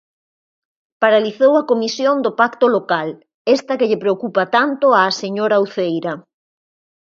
Paralizou a comisión do pacto local, esta que lle preocupa tanto á señora Uceira.